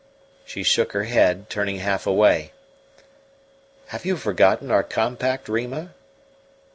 She shook her head, turning half away. "Have you forgotten our compact, Rima?"